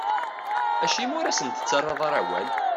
Acimi ur asent-tettarraḍ ara awal?